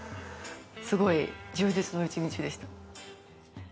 すごい充実の一日でした。